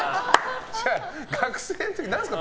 学生の時、何ですか？